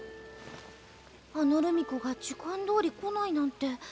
あの留美子が時間どおり来ないなんて。